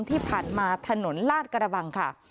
ที่ผ่านมาถนนลาดกระบังค่ะ